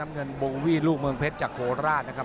แซมเงินปลอไวลูกเมืองเพชรจากโคราตนะครับ